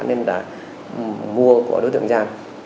nên là mua của đối tượng giang